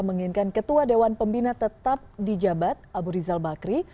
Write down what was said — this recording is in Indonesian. menginginkan ketua dewan pembina tetap di jabat abu rizal bakri